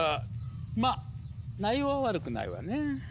まっ内容は悪くないわね。